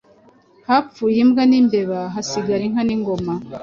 hapfuye imbwa n’imbeba hasigaye inka n’ingoma